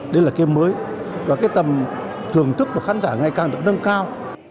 đây là cái mới và cái tầm thưởng thức của khán giả ngày càng được nâng cao